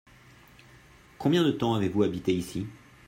Combien de temps avez-vous habité ici ?